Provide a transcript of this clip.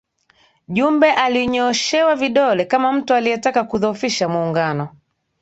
Jumbe alinyooshewa vidole kama mtu aliyetaka kuudhofisha Muungano